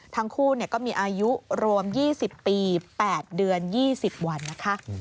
ทั้งคู่ก็มีอายุรวม๒๐ปี๘เดือน๒๐วันนะคะ